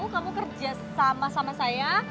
kamu kerja sama sama saya